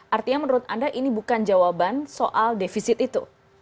artinya menurut anda ini bukan jawaban soal defisit itu